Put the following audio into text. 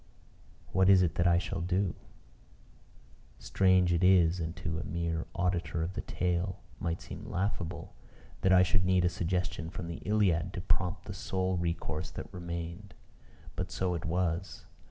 What is it that I shall do? Strange it is, and to a mere auditor of the tale, might seem laughable, that I should need a suggestion from the Iliad to prompt the sole recourse that remained. But so it was.